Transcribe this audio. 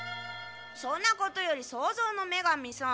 そんなことより創造の女神さん。